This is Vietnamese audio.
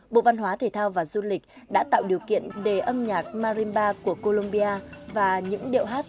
bộ văn hóa thể thao và du lịch đã tạo điều kiện để âm nhạc marimba của colombia và những điệu hát